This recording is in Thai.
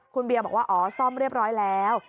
คุณเบียบอกว่าอ๋อซ่อมเรียบร้อยแล้ว